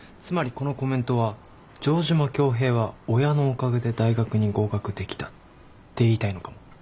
つまりこのコメントは「城島恭平は親のおかげで大学に合格できた」って言いたいのかも。